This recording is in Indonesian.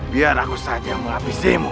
biar aku saja yang mengabisimu